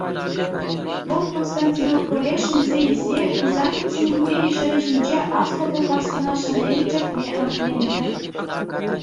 Вӑл, Константинополе ҫӗнсе илсе, Византи импери ҫӗрӗ ҫинче Аслӑ Пӑлхарстана ҫӗнӗрен чӗртме ӗмӗтленнӗ.